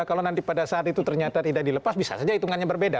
kalau nanti pada saat itu ternyata tidak dilepas bisa saja hitungannya berbeda